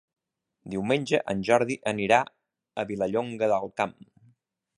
Diumenge en Jordi anirà a Vilallonga del Camp.